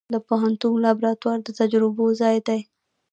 د پوهنتون لابراتوار د تجربو ځای دی.